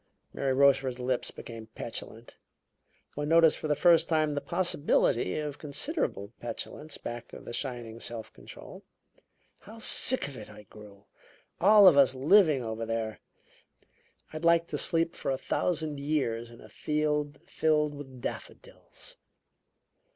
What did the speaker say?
Mary Rochefort's lips became petulant. One noticed for the first time the possibility of considerable petulance back of the shining self control. "How sick of it I grew all of us living over there! I'd like to sleep for a thousand years in a field filled with daffodils."